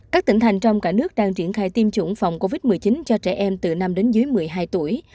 các tỉnh thành trong cả nước đang triển khai tiêm chủng phòng covid một mươi chín cho trẻ em từ năm đến dưới một mươi hai tuổi